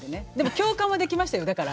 共感はできましたよ。